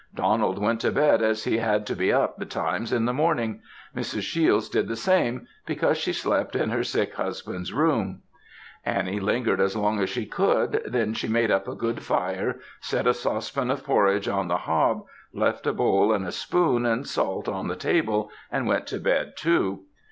Donald went to bed as he had to be up betimes in the morning; Mrs. Shiels did the same, because she slept in her sick husband's room; Annie lingered as long as she could; then she made up a good fire, set a saucepan of porridge on the hob, left a bowl and a spoon, and salt on the table, and went to bed too.